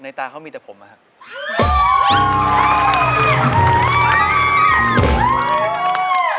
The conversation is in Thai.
ตาเขามีแต่ผมอะครับ